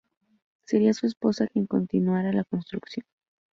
Sería su esposa quien continuaría la construcción.